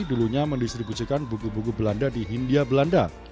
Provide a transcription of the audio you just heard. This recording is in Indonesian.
dulunya mendistribusikan buku buku belanda di hindia belanda